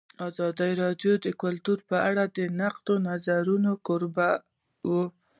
ازادي راډیو د کلتور په اړه د نقدي نظرونو کوربه وه.